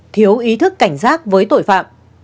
thiếu ý thức cảnh giác với tội phạm